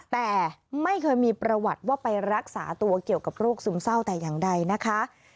แต่ไม่เคยมีประวัติว่าไปรักษาตัวเกี่ยวกับโรคซึมเศร้าแต่อย่างใดนะคะ